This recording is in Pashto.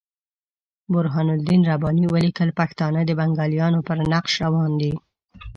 برهان الدین رباني ولیکل پښتانه د بنګالیانو پر نقش روان دي.